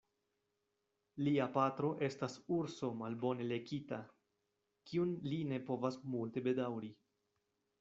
Lia patro estas urso malbone lekita, kiun li ne povas multe bedaŭri.